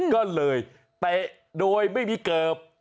ก็เลยเตะโดยไม่มีเกิบ